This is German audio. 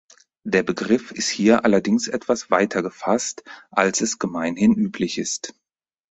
Der Begriff ist hier allerdings etwas weiter gefasst als es gemeinhin üblich ist.